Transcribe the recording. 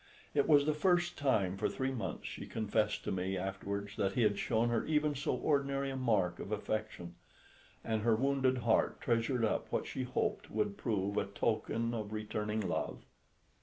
It was the first time for three months, she confessed to me afterwards, that he had shown her even so ordinary a mark of affection; and her wounded heart treasured up what she hoped would prove a token of returning love.